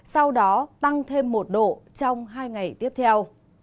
sau đó tăng thêm một độ trong hai ngày tiếp theo